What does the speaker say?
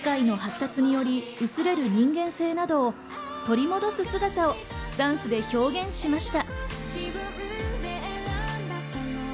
機械の発達により薄れる人間性などを取り戻す姿をダンスで表現しました。